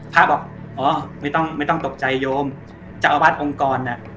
พระบอกอ๋อไม่ต้องไม่ต้องตกใจโยมเจ้าอาวาสองค์กรน่ะ